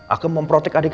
aku memprotect adik aku